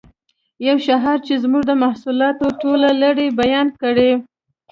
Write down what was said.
یو شعار چې زموږ د محصولاتو ټوله لړۍ بیان کړي